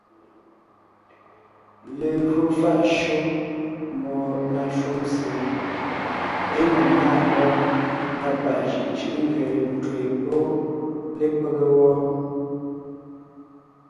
Lelwò fáʼ shÿó mbɔɔ na shúm sie é ne ńnáa ngɔ́ʼ na páʼ jʉʼ cʉ́ʼʉ nge ńtween pɔ́ lepége wɔ́.